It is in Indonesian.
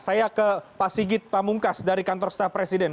saya ke pak sigit pamungkas dari kantor staf presiden